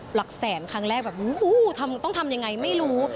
หลักแสนครั้งแรกแบบต้องทำยังไงไม่รู้